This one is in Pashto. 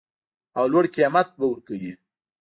او لوړ قیمت به ورکوي